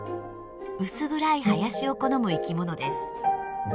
薄暗い林を好む生きものです。